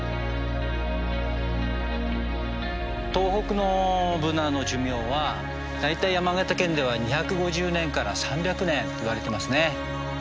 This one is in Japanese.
東北のブナの寿命は大体山形県では２５０年から３００年といわれてますね。